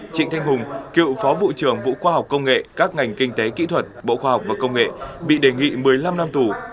trịnh thanh hùng cựu phó vụ trưởng vũ khoa học công nghệ các ngành kinh tế kỹ thuật bộ khoa học và công nghệ bị đề nghị một mươi năm năm tù